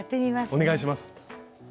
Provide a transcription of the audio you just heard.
お願いします。